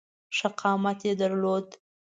ښه قامت یې درلود.